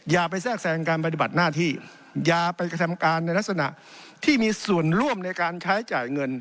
อย่าไปแทรกแทรงการปฏิบัติหน้าที่อย่าไปกระทำการในลักษณะที่มีส่วนร่วมในการใช้จ่ายเงิน